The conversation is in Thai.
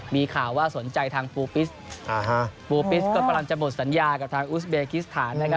มีข่าวว่าสนใจทางปูปิสปูปิสก็กำลังจะหมดสัญญากับทางอุสเบกิสถาน